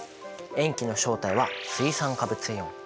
塩基の正体は水酸化物イオン。